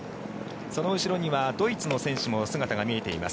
その後ろにはドイツの選手の姿が見えています。